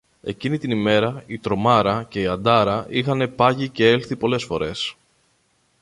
εκείνη την ημέρα η «Τρομάρα» και η «Αντάρα» είχαν πάγει κι έλθει πολλές φορές